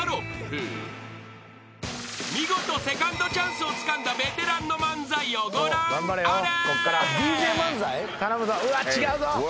［見事セカンドチャンスをつかんだベテランの漫才をご覧あれ］